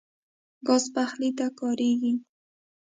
ګاز پخلی ته کارېږي.